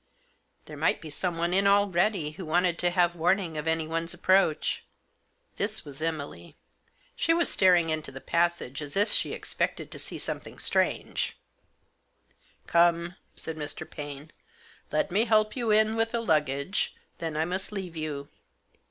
" There might be someone in already, who wanted to have warning of anyone's approach." This was Emily. She was staring into the passage as if she expected to see something strange. ENTERING INTO POSSESSION. 59 " Come," said Mr. Paine. " Let me help you in with the luggage ; then I must leave you.